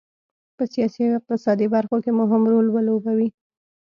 په سیاسي او اقتصادي برخو کې مهم رول ولوبوي.